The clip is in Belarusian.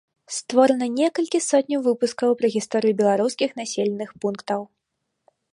Створана некалькі сотняў выпускаў пра гісторыю беларускіх населеных пунктаў.